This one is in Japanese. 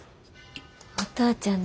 お父ちゃん